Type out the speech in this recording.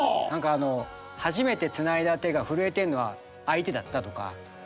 何かあの「初めてつないだ手が震えてんのは相手だった」とか。